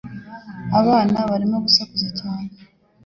Abana barimo gusakuza cyane.